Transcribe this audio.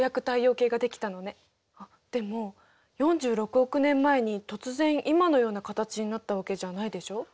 あっでも４６億年前に突然今のような形になったわけじゃないでしょう？